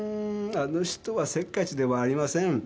あの人はせっかちではありません。